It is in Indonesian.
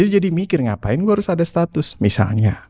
jadi mikir ngapain gue harus ada status misalnya